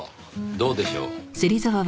どうでしょう。